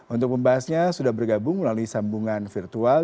untuk membahasnya sudah bergabung melalui sambungan virtual